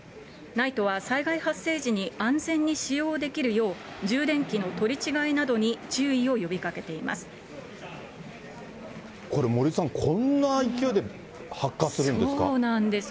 ＮＩＴＥは災害発生時に、安全に使用できるよう、充電器の取り違いなどに注意を呼びかけています。